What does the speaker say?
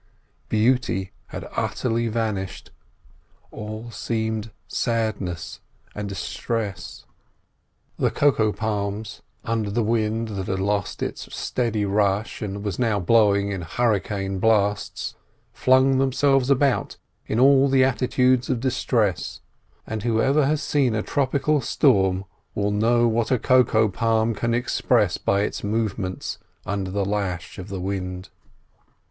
Beauty had utterly vanished, all seemed sadness and distress. The cocoa palms, under the wind that had lost its steady rush and was now blowing in hurricane blasts, flung themselves about in all the attitudes of distress; and whoever has seen a tropical storm will know what a cocoa palm can express by its movements under the lash of the wind.